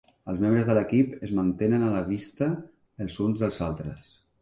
Els membres de l'equip es mantenen a la vista els uns dels altres.